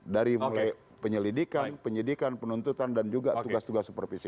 dari mulai penyelidikan penyidikan penuntutan dan juga tugas tugas supervisi